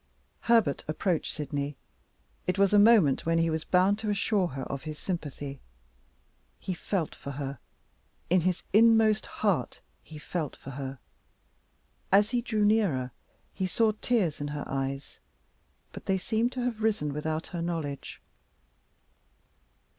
Herbert approached Sydney. It was a moment when he was bound to assure her of his sympathy. He felt for her. In his inmost heart he felt for her. As he drew nearer, he saw tears in her eyes; but they seemed to have risen without her knowledge.